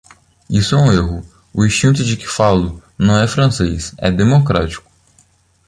Isso é um erro: o instinto de que falo não é francês, é democrático.